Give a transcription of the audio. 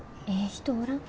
人おらん？